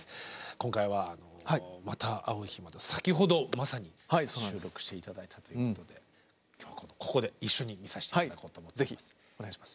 今回は「また逢う日まで」を先ほどまさに収録して頂いたということで今日はここで一緒に見させて頂こうと思います。